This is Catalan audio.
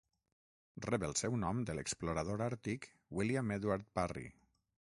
Rep el seu nom de l'explorador àrtic William Edward Parry.